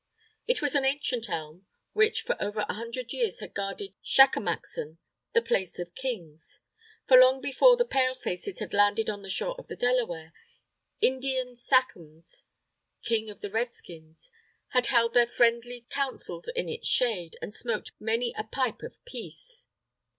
It was an ancient Elm, which for over a hundred years had guarded Shackamaxon, the Place of Kings. For long before the Pale faces had landed on the shore of the Delaware, Indian Sachems, Kings of the Red Skins, had held their friendly councils in its shade, and smoked many a Pipe of Peace.